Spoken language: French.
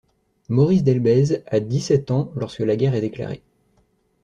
Maurice Delbez a dix-sept ans lorsque la guerre est déclarée.